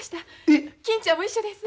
金ちゃんも一緒です。